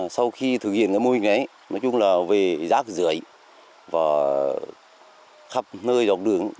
sau khi thực hiện mô hình này nói chung là về rác rưỡi và khắp nơi dọc đường